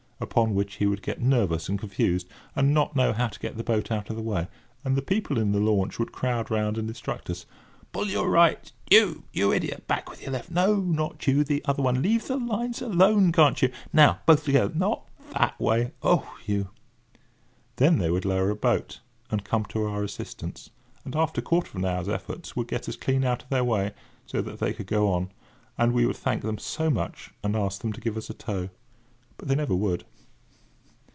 Upon which we would get nervous and confused, and not know how to get the boat out of the way, and the people in the launch would crowd round and instruct us: "Pull your right—you, you idiot! back with your left. No, not you—the other one—leave the lines alone, can't you—now, both together. NOT that way. Oh, you—!" Then they would lower a boat and come to our assistance; and, after quarter of an hour's effort, would get us clean out of their way, so that they could go on; and we would thank them so much, and ask them to give us a tow. But they never would.